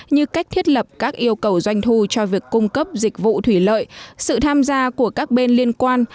như cách thiết lập các yêu cầu doanh thu cho việc cung cấp dịch vụ thủy lợi sự tham gia của các bên liên quan